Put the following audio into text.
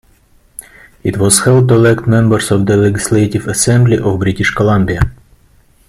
It was held to elect members of the Legislative Assembly of British Columbia.